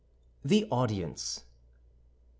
THE AUDIENCE M.